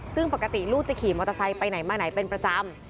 ซึ่งปกติลูกจะขี่มอเตอร์ไซค์ไปไหนมาไหนเป็นประจำ